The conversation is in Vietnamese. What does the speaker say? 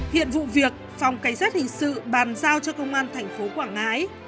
hiện vụ việc phòng cảnh sát hình sự bàn giao cho công an thành phố quảng ngãi